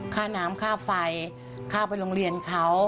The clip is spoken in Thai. ค่าน้ำค่าไฟค่าไปโรงเรียนเขา